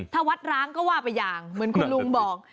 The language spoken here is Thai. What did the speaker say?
ถ้าวัดร้างก็ว่าไปอย่างเหมือนคุณลุงบอก